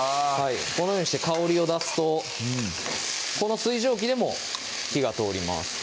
このようにして香りを出すとこの水蒸気でも火が通ります